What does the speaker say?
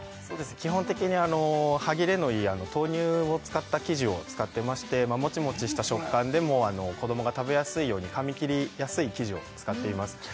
基本的に歯切れのいい豆乳を使った生地を使ってましてモチモチした食感でも子どもが食べやすいようにかみ切りやすい生地を使っています